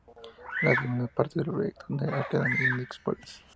La segunda parte del proyecto, "The Alchemy Index Vols.